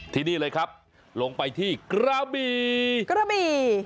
ที่นี่เลยครับลงไปที่กระบี้